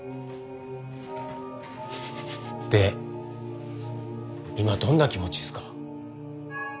で今どんな気持ちっすか？